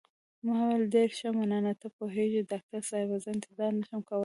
ما وویل: ډېر ښه، مننه، ته پوهېږې ډاکټر صاحبه، زه انتظار نه شم کولای.